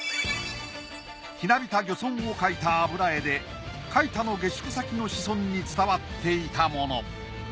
ひなびた漁村を描いた油絵で槐多の下宿先の子孫に伝わっていたもの